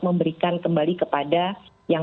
memberikan kembali kepada yang